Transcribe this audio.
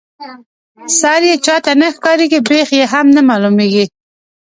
سر یې چاته نه ښکاريږي بېخ یې هم نه معلومیږي.